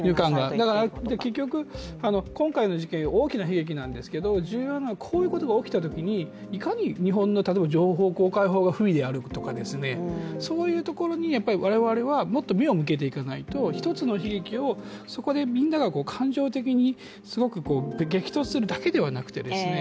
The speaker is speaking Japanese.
結局、今回の事件、大きな悲劇なんですけど重要なのはこういうことが起きたときにいかに日本の情報公開法の不備であるとかそういうところにやっぱり我々はもっと目を向けていかないと、一つの悲劇をそこでみんなが感情的に激突するだけではなくてですね